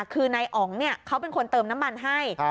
คือนายอ๋องเขาเป็นคนเติมน้ำมันให้